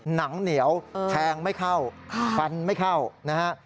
หนังเหนียวแทงไม่เข้าฟันไม่เข้านะฮะ